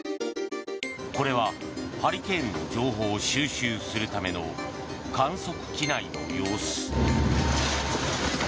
これはハリケーンの情報を収集するための観測機内の様子。